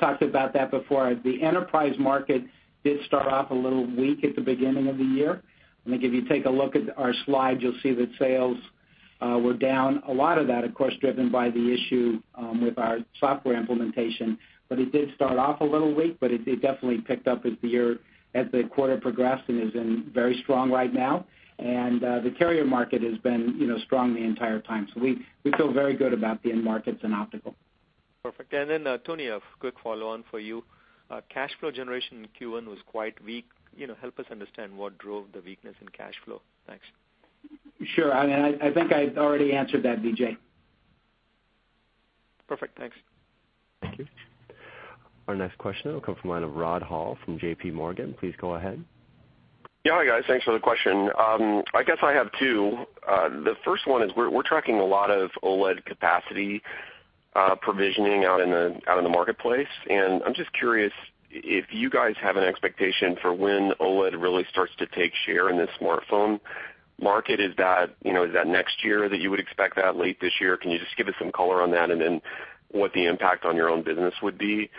talked about that before. The enterprise market did start off a little weak at the beginning of the year. I think if you take a look at our slides, you'll see that sales were down. A lot of that, of course, driven by the issue with our software implementation. It did start off a little weak, but it definitely picked up as the quarter progressed and is very strong right now. The carrier market has been strong the entire time. We feel very good about the end markets and optical. Perfect. Tony, a quick follow-on for you. Cash flow generation in Q1 was quite weak. Help us understand what drove the weakness in cash flow. Thanks. Sure. I think I already answered that, Vijay. Perfect. Thanks. Thank you. Our next question will come from the line of Rod Hall from JPMorgan. Please go ahead. Yeah. Hi, guys. Thanks for the question. I guess I have two. The first one is we're tracking a lot of OLED capacity provisioning out in the marketplace, and I'm just curious if you guys have an expectation for when OLED really starts to take share in the smartphone market. Is that next year that you would expect that, late this year? Can you just give us some color on that, and then what the impact on your own business would be?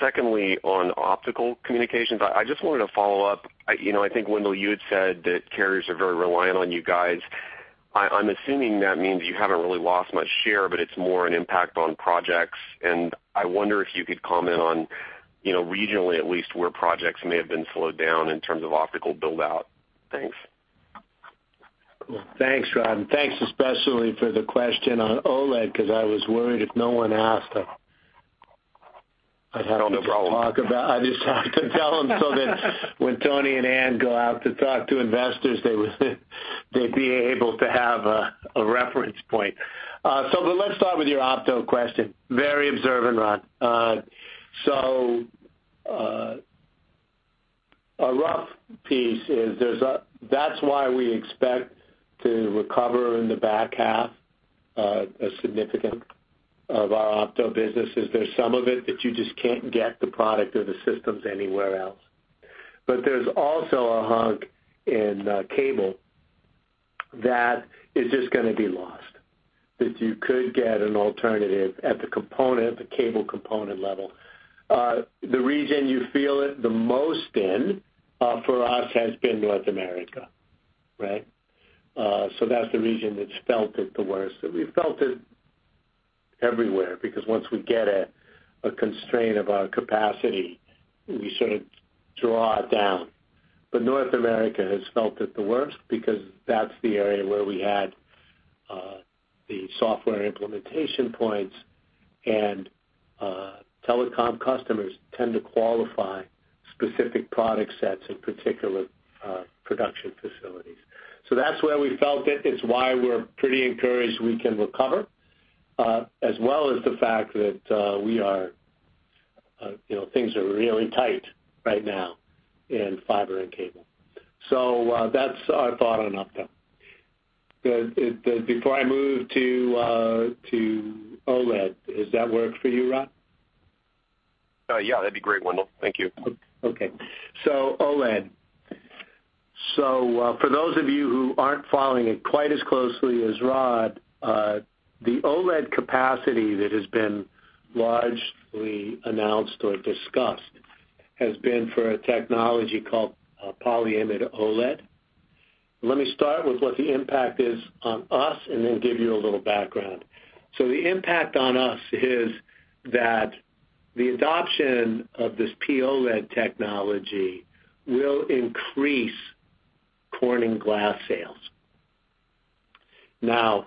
Secondly, on Optical Communications, I just wanted to follow up. I think Wendell, you had said that carriers are very reliant on you guys. I'm assuming that means you haven't really lost much share, but it's more an impact on projects. I wonder if you could comment on regionally, at least, where projects may have been slowed down in terms of optical build-out. Thanks. Cool. Thanks, Rod. Thanks especially for the question on OLED, because I was worried if no one asked. No problem. I just have to tell them so that when Tony and Ann go out to talk to investors, They'd be able to have a reference point. Let's start with your opto question. Very observant, Rod. A rough piece is that's why we expect to recover in the back half a significant of our opto business, is there's some of it that you just can't get the product or the systems anywhere else. There's also a hunk in cable that is just going to be lost, that you could get an alternative at the cable component level. The region you feel it the most in for us has been North America. That's the region that's felt it the worst. We felt it everywhere because once we get a constraint of our capacity, we sort of draw it down. North America has felt it the worst because that's the area where we had the software implementation points, and telecom customers tend to qualify specific product sets in particular production facilities. That's where we felt it. It's why we're pretty encouraged we can recover, as well as the fact that things are really tight right now in fiber and cable. That's our thought on opto. Before I move to OLED, does that work for you, Rod? Yeah, that'd be great, Wendell. Thank you. Okay. OLED. For those of you who aren't following it quite as closely as Rod, the OLED capacity that has been largely announced or discussed has been for a technology called polyimide OLED. Let me start with what the impact is on us and then give you a little background. The impact on us is that the adoption of this PIOLED technology will increase Corning Glass sales. Now,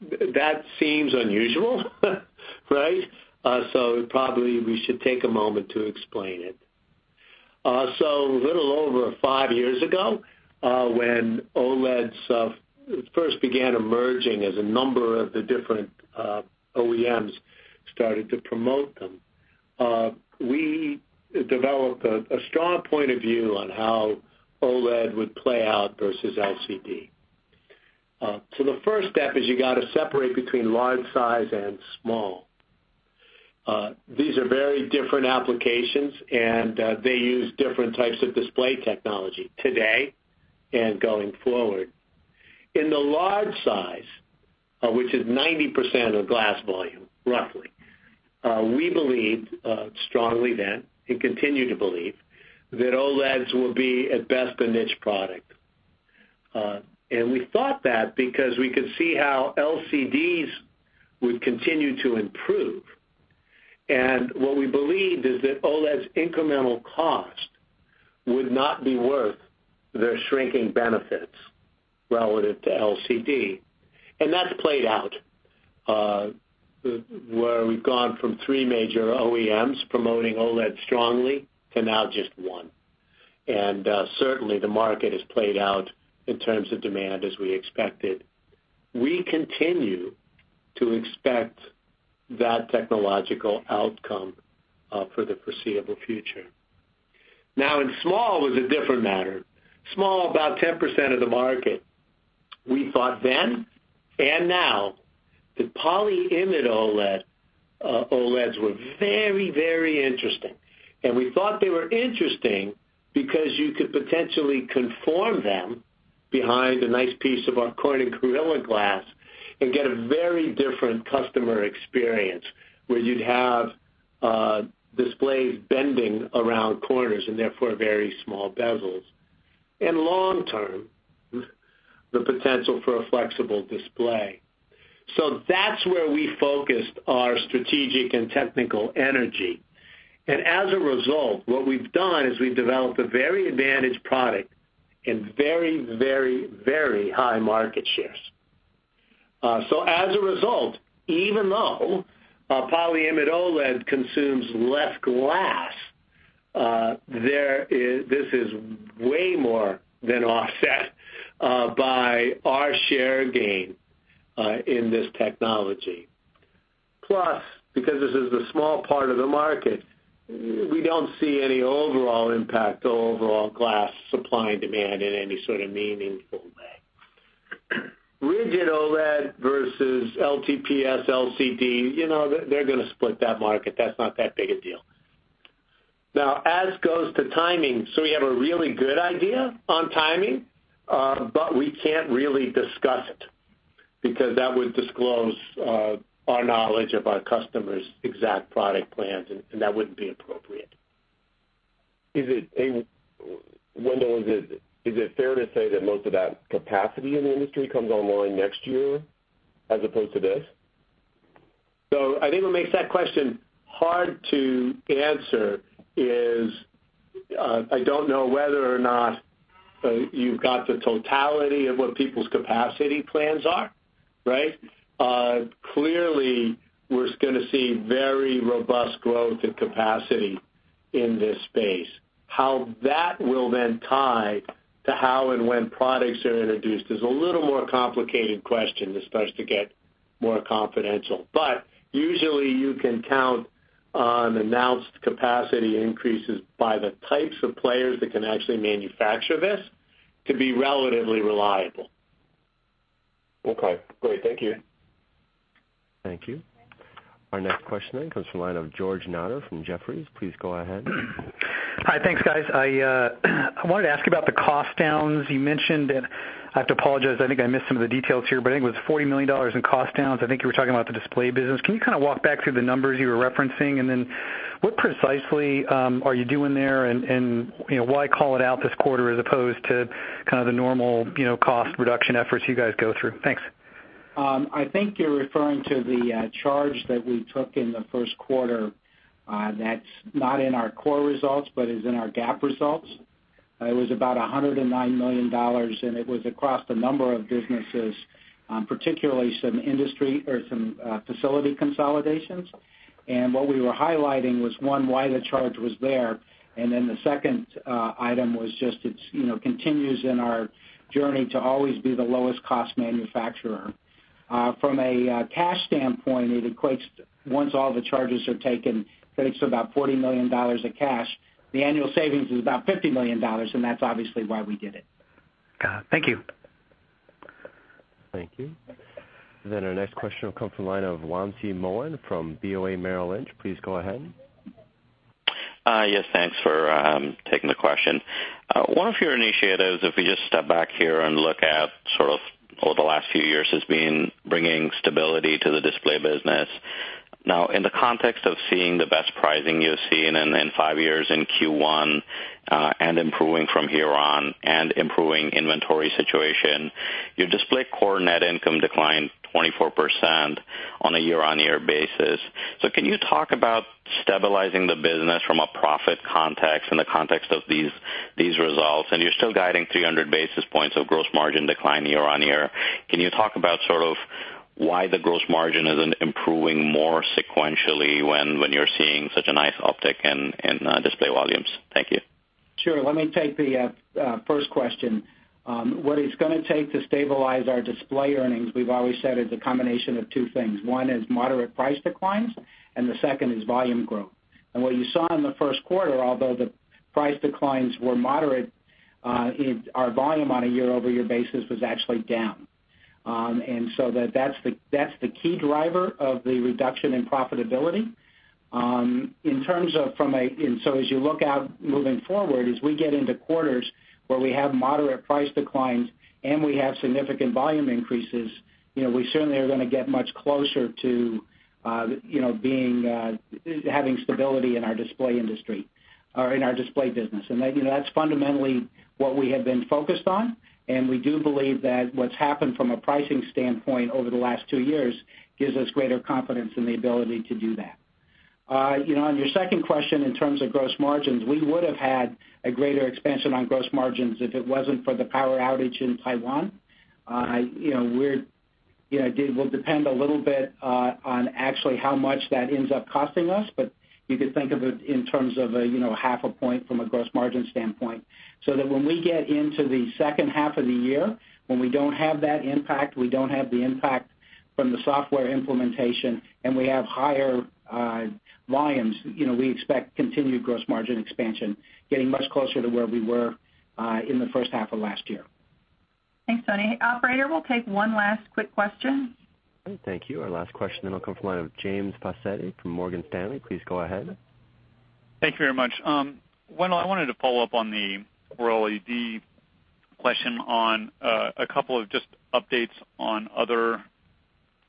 that seems unusual, right? Probably we should take a moment to explain it. A little over five years ago, when OLEDs first began emerging as a number of the different OEMs started to promote them, we developed a strong point of view on how OLED would play out versus LCD. The first step is you got to separate between large size and small. These are very different applications, they use different types of display technology today and going forward. In the large size, which is 90% of glass volume, roughly, we believed strongly then and continue to believe, that OLEDs will be, at best, a niche product. We thought that because we could see how LCDs would continue to improve. What we believed is that OLED's incremental cost would not be worth their shrinking benefits relative to LCD. That's played out, where we've gone from three major OEMs promoting OLED strongly to now just one. Certainly, the market has played out in terms of demand as we expected. We continue to expect that technological outcome for the foreseeable future. Now in small was a different matter. Small, about 10% of the market. We thought then, and now, that polyimide OLEDs were very interesting. We thought they were interesting because you could potentially conform them behind a nice piece of our Corning Gorilla Glass and get a very different customer experience, where you'd have displays bending around corners and therefore very small bezels. Long term, the potential for a flexible display. That's where we focused our strategic and technical energy. As a result, what we've done is we've developed a very advantaged product in very high market shares. As a result, even though polyimide OLED consumes less glass, this is way more than offset by our share gain in this technology. Plus, because this is the small part of the market, we don't see any overall impact to overall glass supply and demand in any sort of meaningful way. Rigid OLED versus LTPS LCD, they're going to split that market. That's not that big a deal. As goes to timing, we have a really good idea on timing, we can't really discuss it because that would disclose our knowledge of our customers' exact product plans, and that wouldn't be appropriate. Wendell, is it fair to say that most of that capacity in the industry comes online next year as opposed to this? I think what makes that question hard to answer is, I don't know whether or not you've got the totality of what people's capacity plans are. Right? Clearly, we're going to see very robust growth in capacity In this space. How that will then tie to how and when products are introduced is a little more complicated question that starts to get more confidential. Usually you can count on announced capacity increases by the types of players that can actually manufacture this to be relatively reliable. Okay, great. Thank you. Thank you. Our next question comes from the line of George Notter from Jefferies. Please go ahead. Hi. Thanks, guys. I wanted to ask about the cost downs you mentioned. I have to apologize. I think I missed some of the details here. I think it was $40 million in cost downs. I think you were talking about the display business. Can you kind of walk back through the numbers you were referencing? Then what precisely are you doing there? Why call it out this quarter as opposed to kind of the normal cost reduction efforts you guys go through? Thanks. I think you're referring to the charge that we took in the first quarter that's not in our core results but is in our GAAP results. It was about $109 million, and it was across a number of businesses, particularly some industry or some facility consolidations. What we were highlighting was, one, why the charge was there, the second item was just it continues in our journey to always be the lowest-cost manufacturer. From a cash standpoint, it equates, once all the charges are taken, I think to about $40 million of cash. The annual savings is about $50 million, that's obviously why we did it. Got it. Thank you. Thank you. Our next question will come from the line of Wamsi Mohan from BofA Merrill Lynch. Please go ahead. Yes, thanks for taking the question. One of your initiatives, if we just step back here and look at sort of over the last five years, has been bringing stability to the Display business. Now, in the context of seeing the best pricing you've seen in five years in Q1 and improving from here on and improving inventory situation, your Display core net income declined 24% on a year-on-year basis. Can you talk about stabilizing the business from a profit context in the context of these results? You're still guiding 300 basis points of gross margin decline year-on-year. Can you talk about sort of why the gross margin isn't improving more sequentially when you're seeing such a nice uptick in Display volumes? Thank you. Sure. Let me take the first question. What it's going to take to stabilize our Display Technologies earnings, we've always said, is a combination of two things. One is moderate price declines, the second is volume growth. What you saw in the first quarter, although the price declines were moderate, our volume on a year-over-year basis was actually down. That's the key driver of the reduction in profitability. As you look out moving forward, as we get into quarters where we have moderate price declines and we have significant volume increases, we certainly are going to get much closer to having stability in our Display Technologies business. That's fundamentally what we have been focused on, and we do believe that what's happened from a pricing standpoint over the last two years gives us greater confidence in the ability to do that. On your second question, in terms of gross margins, we would have had a greater expansion on gross margins if it wasn't for the power outage in Taiwan. It will depend a little bit on actually how much that ends up costing us, but you could think of it in terms of half a point from a gross margin standpoint, so that when we get into the second half of the year, when we don't have that impact, we don't have the impact from the software implementation, and we have higher volumes, we expect continued gross margin expansion, getting much closer to where we were in the first half of last year. Thanks, Tony. Operator, we'll take one last quick question. Okay. Thank you. Our last question will come from the line of James Faucette from Morgan Stanley. Please go ahead. Thank you very much. Wendell, I wanted to follow up on the OLED question on a couple of just updates on other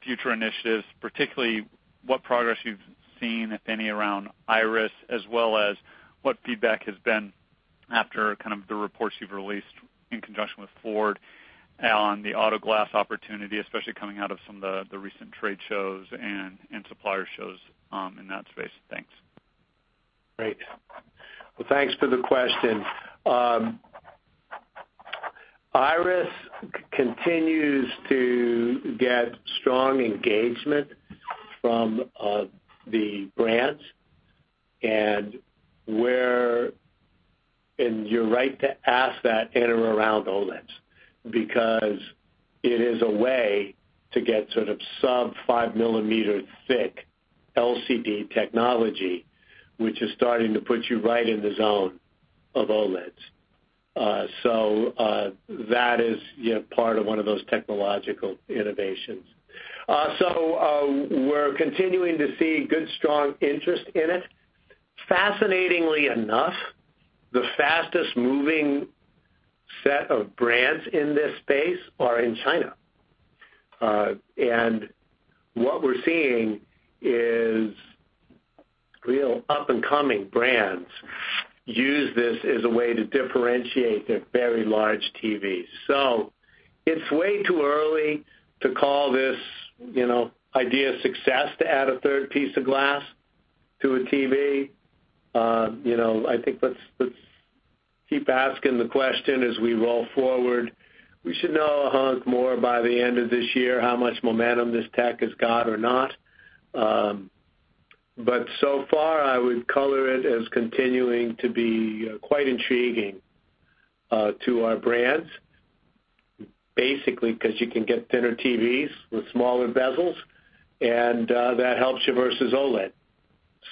future initiatives, particularly what progress you've seen, if any, around Iris, as well as what feedback has been after kind of the reports you've released in conjunction with Ford on the auto glass opportunity, especially coming out of some of the recent trade shows and supplier shows in that space. Thanks. Great. Well, thanks for the question. Iris continues to get strong engagement from the brands, and you're right to ask that in or around OLEDs, because it is a way to get sort of sub five-millimeter thick LCD technology, which is starting to put you right in the zone of OLEDs. That is part of one of those technological innovations. We're continuing to see good, strong interest in it. Fascinatingly enough, the fastest moving set of brands in this space are in China. What we're seeing is real up-and-coming brands use this as a way to differentiate their very large TVs. It's way too early to call this idea a success to add a third piece of glass to a TV. I think let's keep asking the question as we roll forward. We should know a hunk more by the end of this year how much momentum this tech has got or not. So far, I would color it as continuing to be quite intriguing to our brands. Basically, because you can get thinner TVs with smaller bezels, that helps you versus OLED.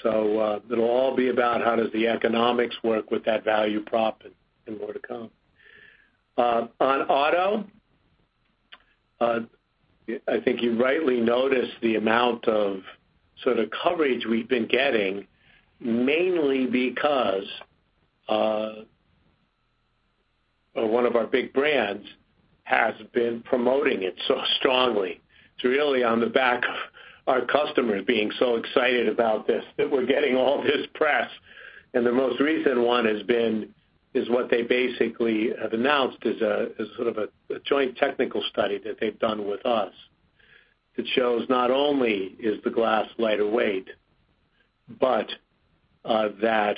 It'll all be about how does the economics work with that value prop and more to come. On auto, I think you rightly noticed the amount of sort of coverage we've been getting, mainly because one of our big brands has been promoting it so strongly. It's really on the back of our customers being so excited about this, that we're getting all this press. The most recent one is what they basically have announced as a sort of a joint technical study that they've done with us that shows not only is the glass lighter weight, but that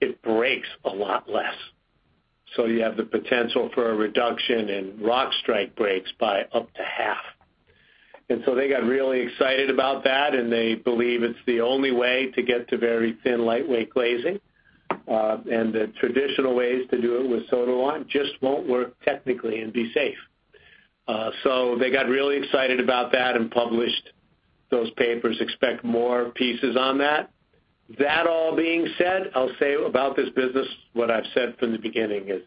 it breaks a lot less. You have the potential for a reduction in rock strike breaks by up to half. They got really excited about that, and they believe it's the only way to get to very thin, lightweight glazing. The traditional ways to do it with soda lime just won't work technically and be safe. They got really excited about that and published those papers. Expect more pieces on that. That all being said, I'll say about this business what I've said from the beginning is,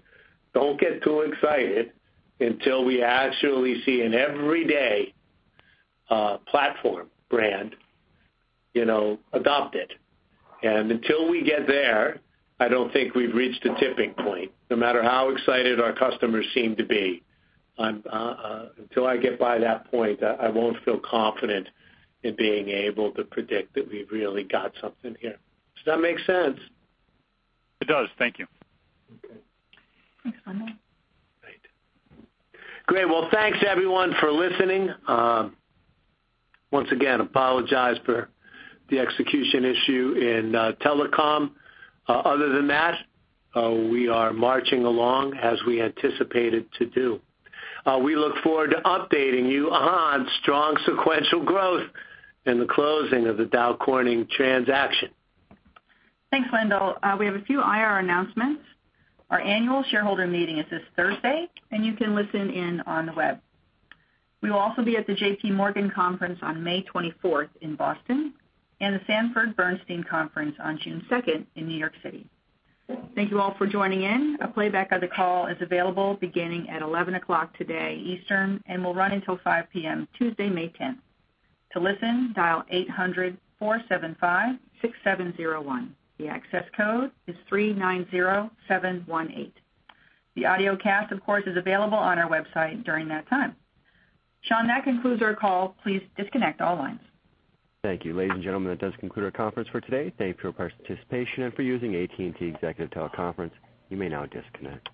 don't get too excited until we actually see an everyday platform brand adopt it. Until we get there, I don't think we've reached a tipping point. No matter how excited our customers seem to be, until I get by that point, I won't feel confident in being able to predict that we've really got something here. Does that make sense? It does. Thank you. Okay. Thanks, Wendell. Great. Well, thanks everyone for listening. We once again apologize for the execution issue in telecom. Other than that, we are marching along as we anticipated to do. We look forward to updating you on strong sequential growth in the closing of the Dow Corning transaction. Thanks, Wendell. We have a few IR announcements. Our annual shareholder meeting is this Thursday, and you can listen in on the web. We will also be at the JPMorgan conference on May 24th in Boston and the Sanford Bernstein conference on June 2nd in New York City. Thank you all for joining in. A playback of the call is available beginning at 11:00 A.M. Eastern, and will run until 5:00 P.M. Tuesday, May 10th. To listen, dial 800-475-6701. The access code is 390718. The audiocast, of course, is available on our website during that time. Sean, that concludes our call. Please disconnect all lines. Thank you. Ladies and gentlemen, that does conclude our conference for today. Thank you for your participation and for using AT&T Teleconference Services. You may now disconnect.